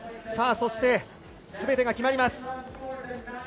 そして、すべてが決まります